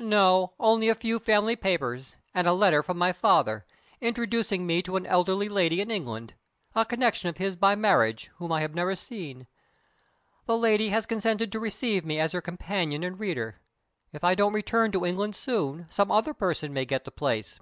"No; only a few family papers, and a letter from my father, introducing me to an elderly lady in England a connection of his by marriage, whom I have never seen. The lady has consented to receive me as her companion and reader. If I don't return to England soon, some other person may get the place."